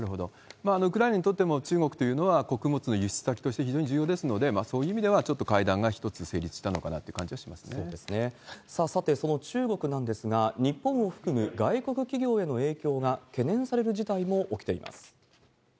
ウクライナにとっても中国というのは、穀物の輸出先として非常に重要ですので、そういう意味ではちょっと会談が一つ成立したのかなという感じはさあ、さて、その中国なんですが、日本を含む外国企業への影響が懸念される事態も起きています。